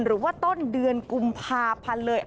หรือว่าต้นเดือนกุมภาพันธ์เลย